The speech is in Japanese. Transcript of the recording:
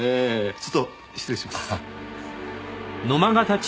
ちょっと失礼します。